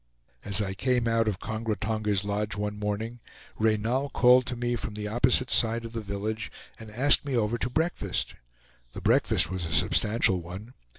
As I came out of Kongra Tonga's lodge one morning, Reynal called to me from the opposite side of the village, and asked me over to breakfast. The breakfast was a substantial one.